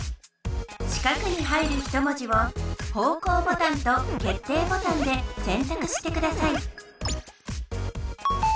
四角に入る一文字を方向ボタンと決定ボタンで選択してください